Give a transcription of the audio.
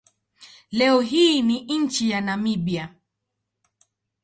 Leo hii ni nchi ya Namibia.